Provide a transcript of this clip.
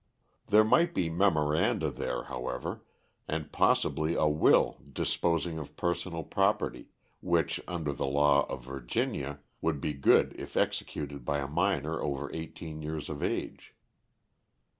There might be memoranda there, however, and possibly a will disposing of personal property, which, under the law of Virginia, would be good if executed by a minor over eighteen years of age.